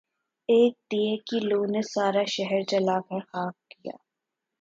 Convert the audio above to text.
ایک دیے کی لو نے سارا شہر جلا کر خاک کیا